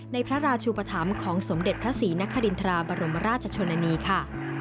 ในพระราชุปธรรมของสมเด็จพระศรีนครินทราบรมราชชนนานีค่ะ